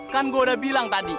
kan gue udah bilang tadi